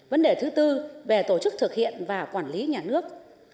vấn đề thứ tư về tổ chức thực hiện và quản lý nhà nước